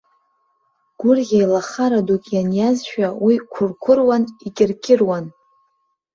Гәырӷьа-еилахара дук ианиазшәа уи қәырқәыруан, икьыркьыруан.